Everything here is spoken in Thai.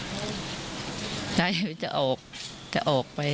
บอกฅาร์ม่ะเดียวจะออกจะออกไป